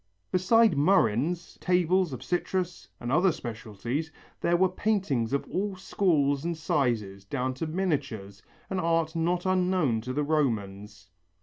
Besides murrhines, tables of citrus and other specialities there were paintings of all schools and sizes, down to miniatures, an art not unknown to the Romans.